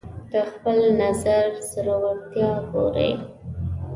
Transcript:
د خپل نظر زورورتیا ګوري